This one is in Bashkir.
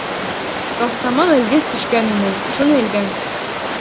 Таҫтамал элгес төшкән ине, шуны элгән.